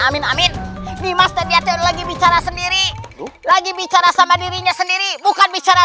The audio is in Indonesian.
amin amin dimas dan diatur lagi bicara sendiri lagi bicara sama dirinya sendiri bukan bicara